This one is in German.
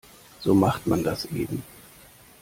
So macht man das eben.